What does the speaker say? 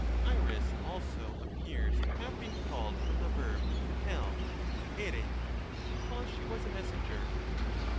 Iris also appears to have been called from the verb ' to tell ' {dpeiv), because she was a messenger.